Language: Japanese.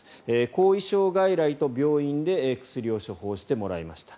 後遺症外来と病院で薬を処方してもらいました。